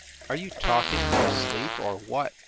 "Are you talking in your sleep, or what?"